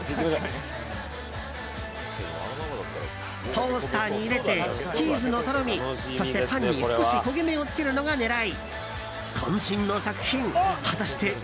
トースターに入れてチーズのとろみそしてパンに少し焦げ目をつけるのが狙い。